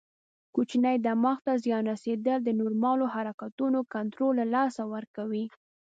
کوچني دماغ ته زیان رسېدل د نورمالو حرکتونو کنټرول له لاسه ورکوي.